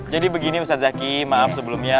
jadi begini ustadz jaki maaf sebelumnya